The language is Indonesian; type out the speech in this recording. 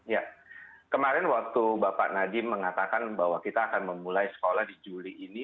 ya kemarin waktu bapak nadiem mengatakan bahwa kita akan memulai sekolah di juli ini